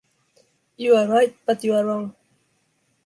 You are right, but you are wrong.